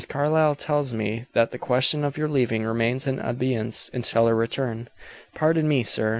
Carlyle tells me that the question of your leaving remains in abeyance until her return." "Pardon me, sir.